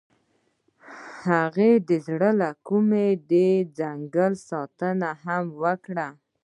هغې د زړه له کومې د ځنګل ستاینه هم وکړه.